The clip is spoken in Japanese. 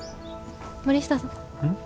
森下さん？